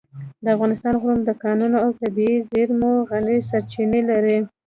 د افغانستان غرونه د کانونو او طبیعي زېرمو غني سرچینې لري.